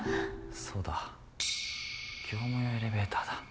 そうだ業務用エレベーターだ。